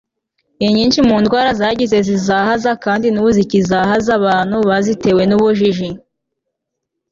inyinshi mu ndwara zagiye zizahaza kandi n'ubu zikibabaza abantu bazitewe n'ubujiji